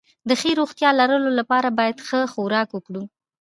د ښې روغتيا لرلو لپاره بايد ښه خوراک وکړو